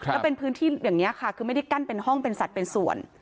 แล้วเป็นพื้นที่อย่างนี้ค่ะคือไม่ได้กั้นเป็นห้องเป็นสัตว์เป็นส่วน